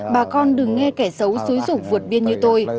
bà con đừng nghe kẻ xấu xúi rục vượt biên như tôi